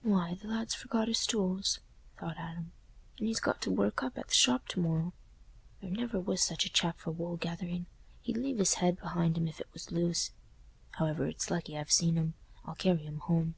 "Why, th' lad's forgot his tools," thought Adam, "and he's got to work up at the shop to morrow. There never was such a chap for wool gathering; he'd leave his head behind him, if it was loose. However, it's lucky I've seen 'em; I'll carry 'em home."